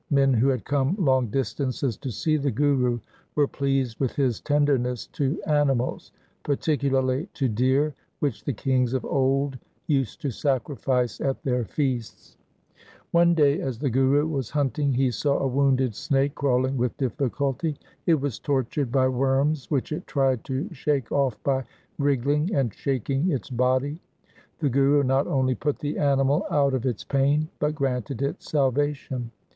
Men who had come long distances to see the Guru were pleased with his tenderness to animals, particularly to deer, which the kings of old used to sacrifice at their feasts. One day as the Guru was hunting he saw a wounded snake crawling with difficulty. It was tortured by worms which it tried to shake off by wriggling and shaking its body. The Guru not only put the animal out of its pain, but granted it salva tion.